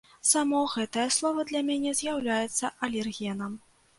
Само гэтае слова для мяне з'яўляецца алергенам.